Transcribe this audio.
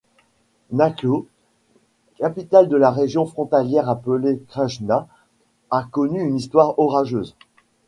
Nakło, capitale d’une région frontalière appelée Krajna, a connu une histoire orageuse.